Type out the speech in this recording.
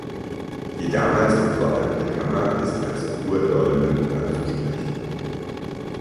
Die damals noch vorhandene Kammer ist als Urdolmen anzusprechen.